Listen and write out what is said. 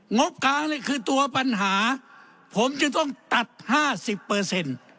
งบค้านี่คือตัวปัญหาผมจึงต้องตัดห้าสิบเปอร์เซ็นต์